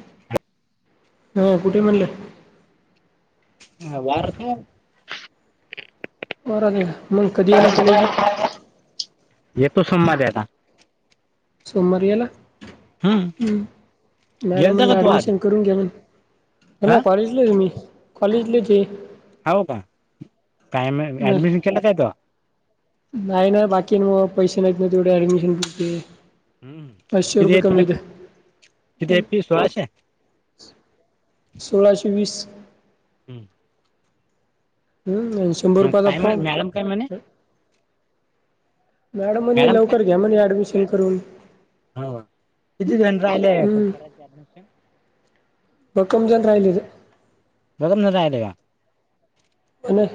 [inaudible] हा कुठे म्हणले. ह वारत. होरध म्हणग कधीयला कॉलेज येतो समदता. सोमवारी याला हम्म गेलता मॅडमनी का तू आज अऍडमिशन कर. ून घेऊ ना हा कॉलेजलाच मी कॉलेजलेच आहे. हो का काय नाही ऍडमिशन केलाचय तो. नाही ना बाकी मग पैसे नाहीत नाही तेवढे ऍडमिशन घ हम् कि तु किती फीस सोळाशे वीस हम्म. शंभर रुपय द काय फ्रॉम. मॅडम काय म्हणे मॅडम म्हणे लकर घ्या म्हणे ऍडमिशन करून. ह किती जण राहिले ऍडमिशन. मकम जन राहिल आहे. बोघम न दाले का. आणि.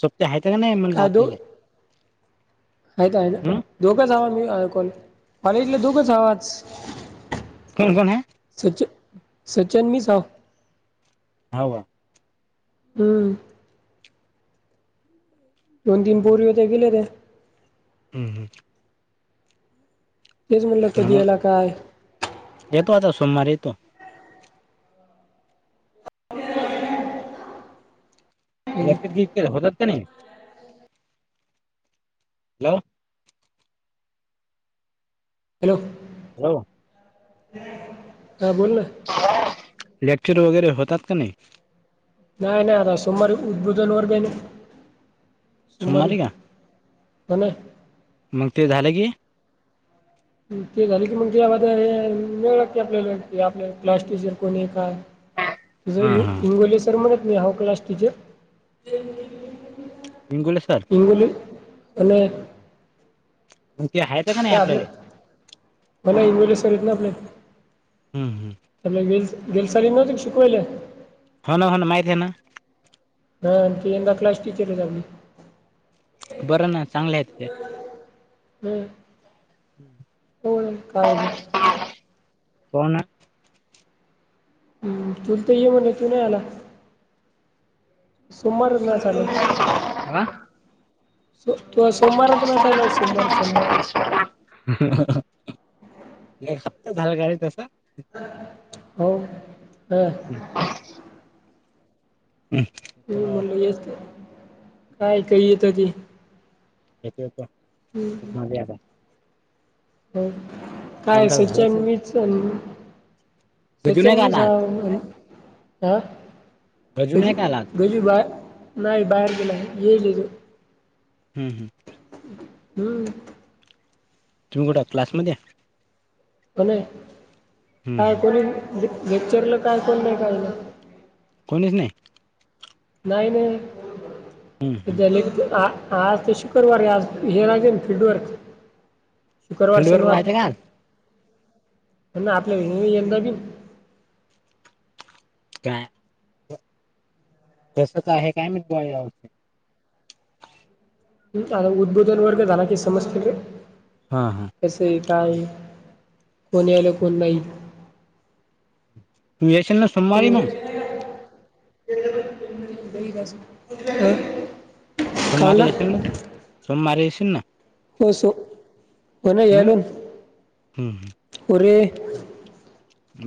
सुट्ट्या आहे का का नाही म्हण आपल्याला. आहेत का आहेत ना दोघंच हवा मी कॉल कॉले इथलं दोघंच हवज. कोण कोण ह सच सचिन मी स ह वा. हम. दोन तीन पोर् होते गेले ते. हम् हम्. तेच म्हणलं कधी मग यायला काय. येतो आता सोमवार येतो. लक हॅलो होतात का नाही हॅलो. हॅलो, [inaudible] हा बोलोल ना. लेक्चर वगैरे होतात का नाही. नाही नाही आता सोमवार उद्बुधन वर ब सोमवार का हो ना मग ते झालेी. ते झाले की मग त्या हे मिळ की आपल्याला कि आपल्या क्लास टीचर कोणी काय. [unintelligible] तुझं हा हा इंगोले सर म्हणत म हा क्लास टीचर. इंगुले सर इंगुली आणि [unintelligible] हट [unintelligible] आपले म्हला वलेसरतन आपले हम्म हम्म. आप व दिसर ना त शकवईले आहे [unintelligible] हो ना होन ना माहिितती आहे ना [unintelligible] हा आणखी एा क्लास टीचर आहेी [unintelligible] बरं ना चांगले आहेति [unintelligible] हम्म होन कालेज [unintelligible] कोोन [unintelligible] हम् तुल तर ये म्हण तू नाही आला [unintelligible] समर ना चालू [unintelligible] आला सस् सोमवार सोमवार [unintelligible] त झालं गरी तस हो ह [unintelligible] हम् [unintelligible] हं [unintelligible] त म्हटल येस काय काही येत ती येत येतध्ये आ [unintelligible] हो काय शांत स झालंच चन नाही. वचन गजू सोचन नाही का मी स आला आज ह [unintelligible] गजू नाही ज का आला आज गजी बाहे नाही बाहेर गे नाही येजो हम्म हम् [unintelligible] हम्म [unintelligible] तुमहीोटं क्लासमध्ये [unintelligible] हम्म काय हम्म कोणी गेक्चरला काय कोण नाही कायला कोणीच नाही [unintelligible] नाही नाही हम्म हम्म सध्या आज ते शु कर्रवारे आज हे रागे फीडवर्क [unintelligible] शुक्रवार फील्ड वर शनिवार राहते का आज ना आपल्या यंदा बि का [unintelligible] तसच आहे काय मी गते [unintelligible] हम अ उद्बोधन वर्ग जा आणनाकी समस्याे ररी [unintelligible] हा हा [unintelligible] कस काय कोणी यायला कोण नाही तुमहीये ना [unintelligible] हम्म? [unintelligible] सोमवारी म्हणला येसन ना तू सोमवारी येसन ना [unintelligible] हो स हो हम्म यालोून हम्म हम्म. उरे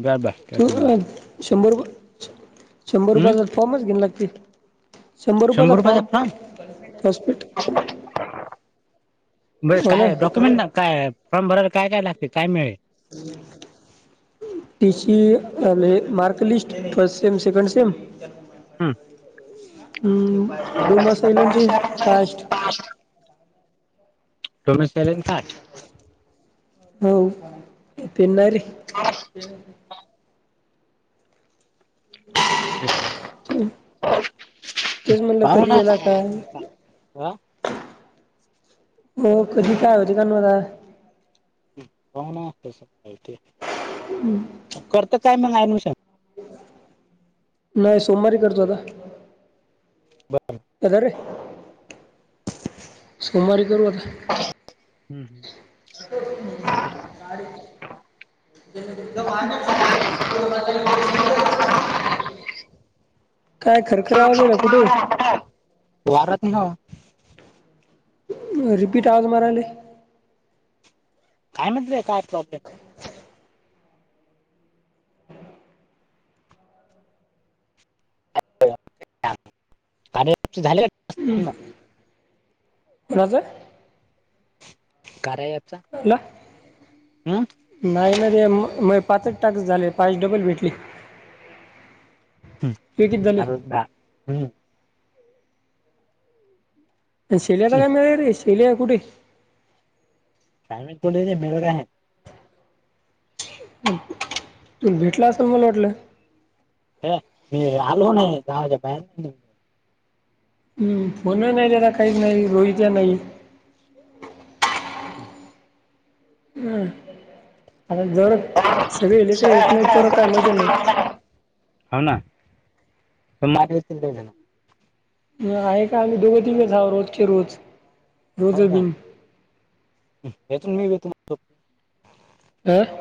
बर बर तू काश्मीरला शंभर शंभर हम्म रुपयाचा फॉर्मच घेऊन लागते शंभर रुपयाचा फॉर्म हॉस्पिट ब हो ना काय डॉक्युमेंट काय फॉर्म भरायला काय काय लागते काय मिळेल हम् [unintelligible] ट mark list first sem second sem हम् [unintelligible] हम्म दडमास इलंत कास् [inaudible] [unintelligible] सोमे सैलेन काय [unintelligible] हो तिनारी [unintelligible] हा [unintelligible] तेच म्हणलं पाहू कधी ना येला हाल काय हा हो कध कायते काण आता हो नाती [unintelligible] हम् करत काय मग ऍडमिशन नाही सोमवारी करतो आता अ रे सोमवारी करू आत्ता हम्म हम्म सा [unintelligible] तुम वाांाच आहे [unintelligible] काय खरखरे आवाज आहेला कुठे वाररातनी हो [unintelligible] रिपीट आवाज मारले काय म्हटलंय काय प्रॉब्लेम झाले [inaudible] कोणाच कार्य ॲपचा हला हम्म [unintelligible] नाही ना रे मग पाचच टाकस झाले पाच डबल भेटली भ किती झाले द हम्म [unintelligible] शिळ्याला काय मिळाले शिल्या कुठाय साायमोे मिळर आहे [unintelligible] तु भेटला असं मला वाटलं ह मी आलो नाही दहाच्या बाया [inaudible] हम्म फोन नाही त्यारा काहीच नाही रोहित नाही ह आता जर सगळे लेकरं येत नाही तर काय मजा नाही हो ना म ना [unintelligible] आहे का आम्ही दोघं तिघच आहोत रोजचे रोज रोज बिन येतो न मी बी येतो हं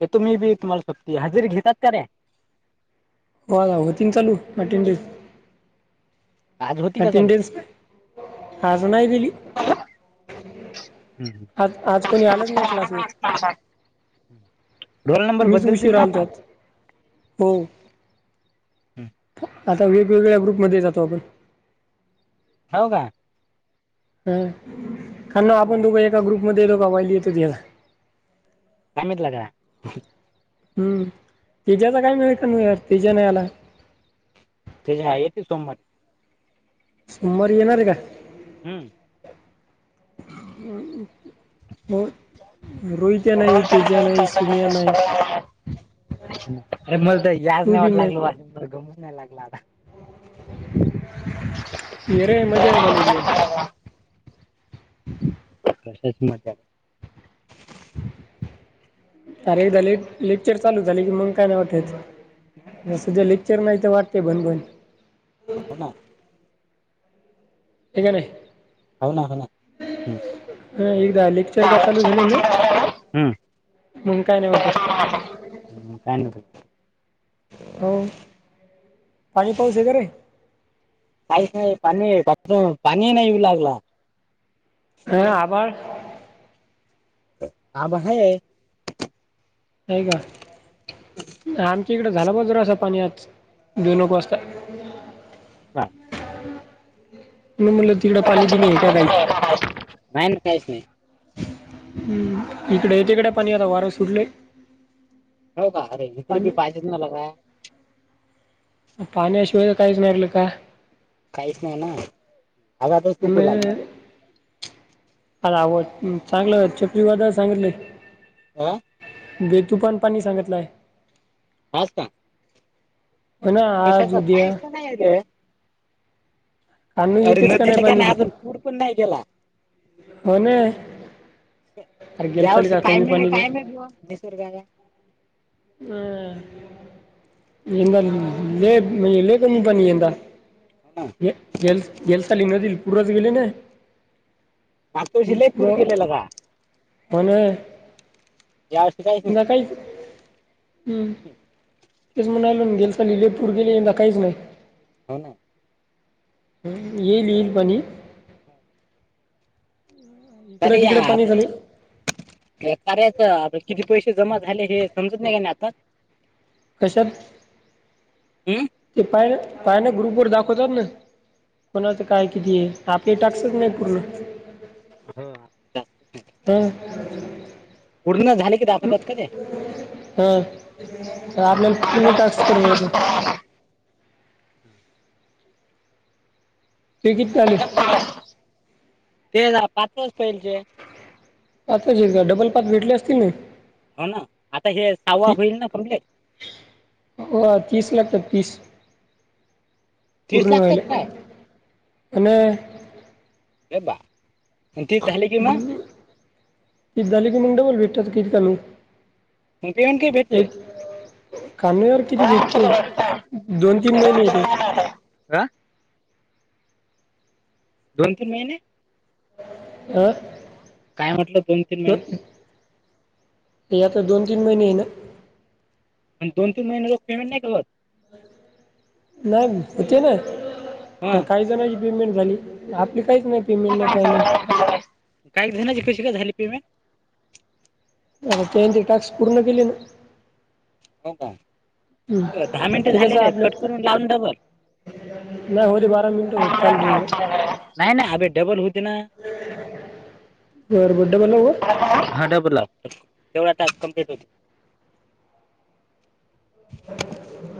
ते तुम्ही बी तुम्हाला सोपती हजेरी घेतात का रे हो होतीन चालू [unintelligible] आज होती का चालू अटेंडन्स आज नाही दिली ह् आज आज कोणी आलंच नाही क्लासवर [unintelligible] रोल नंबर मीच बदलतील उशीर ना आलतो आज हो हम्म. आता वेगवेगळ्या ग्रुपमध्ये जातो आपण हो का ह खर ना आपण दोघं एका ग्रुपमध्येध्ये दोघा वईली येतोतीला काय माहीत लगा हम्म तिज्याच काय मिळ का नाहीर तिज नाही आला ते हय येते सोमवारी सोमवारी येणार आहे का हम्म हो रई [unintelligible] नाही तेज्या, नाही सुम्या नाही अ मलं तर याज तू नाही बी वाट लागलो [unintelligible] गमूच नाही लागलं य रे मजा आहे कॉलेजला प्रशच म [unintelligible] अर एकदा ले लेक्चर चालू झाले की मग काय नाही वाटयचस ज लेक्चर नाही तर वाट ते बन ब हो ना हेक ना हो ना हो ना हम्म. हं एकदा लेक्चर का चालू झाले ना मंग काय नाही वाटत मग काय [unintelligible] हो पाणी पाऊस आहे का रे? काहीच नाही पानी [unintelligible] पाणी नाही येऊ लागला नई आभाळ आभाळ हाये. नाही का? नाय आमच्या इकडं झाला बॉ जरासा पाणी आज दोनेक वाजता. का? नई म्हनलं तिकडं पाणी कि नाही काहीच [inaudible] नाही ना काहीच नही. हम्म इकडे येत इकडे पानी आता वारं सुटलंय. हो का अरे इकडे बी पाहिजेच ना ला काय पाण्याशिवाय काहीच नाहील का काहीच नाही ना आवाजच चुकू नय लागले चांगलं चक्रीवादळ सांगितलंय. आ बेतुफान पाणी सांगितलाय पास्ता हो ना कशाच आज उद्या काहीच तर नाहीरे, आणू येतेच तारीने दीले का पाणी नाही अजून? कूड पण नाही गेला. हो ना. अरे गेल या चाल वर्षी का काय कमी नही पाणी दे काय नही बॉ निसर्गाला हं यंदा लंय म्हणजे लय कमी पाणी यंदा. हो ना गेलं सा गेल साली नदीला पूरच गेले ना? मागच्या वर्षी लय पूर पुरं गेलेला का म्हणे या वर्षी यंदा नाही काहीच हम्म तेच म्हणल गेले साली लय पूर गेले यंदा काहीच नाही. हो ना. येईल येईल पाणी. इकडं कधी तिकडं याप पाणी झाले हे करायचं आता किती पैसे जमा झाले हे समजत नाही का नाही आता? कशात हम्म ते पाय पायना ग्रुप वर दाखवतात ना. कोणातं काय किती आपले टाकसत नाही पूर्ण हं. हम् [inaudible] पूर्ण झाले दाखवतात का ते? हां आपल्याला पूर्ण टास्क करावं लागेल [unintelligible] ते किती आले ते जा पाचच पहिजे आताच का डबल पाथ भेटले असतील ना? हो ना आता हे साहवा ती होईल ना पणले हो तीस लागतात तीस तीस पूर्ण लागतात व्हायला काय आणि रे बा? तीस झाले कि मग? तीस झाले कि मग डबल भेटतात कि त्यांना. प पेंट का भटते कानूवर किती घेते दोन तीन महिने येते [inaudible] दोन तीन महिने आह काय म्हटलं दोन तीन महिने हे आता दोन तीन महिने ये ना आणि दोन तीन महिने पेमंट नाही के करत नाही होते ना हा काही जणची पेमेंट झाली आपली काहीच नाही पेमेंट नाही का नाही आहे काय झाले कशी झाली पेमेटं अ ते टाक्स पूर्ण केली ना हो हं. का दहा मिनटे ते कसं झालेले आपलं कट करून लावून बघा नाही होते बारा मिनटं होत चालतं नाही नाही अभे डबल होते ना होर बुडा मला हो हा डबला हाय तेवढा टा कमप्लीट होते [inaudible]